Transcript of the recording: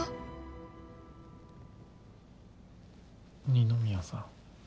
二宮さん。